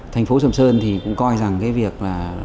thành phố sầm sơn thì cũng coi rằng cái việc là